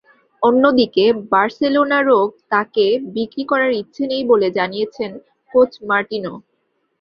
অন্যদিকে বার্সেলোনারও তাঁকে বিক্রি করার ইচ্ছে নেই বলে জানিয়েছেন কোচ মার্টিনো।